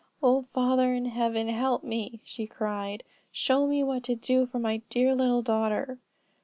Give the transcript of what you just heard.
"Oh, Father in heaven, help me!" she cried. "Show me what to do for my dear little daughter."